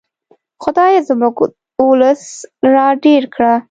خدایه زموږ ولس را ډېر کړه.